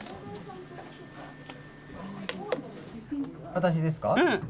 私ですか。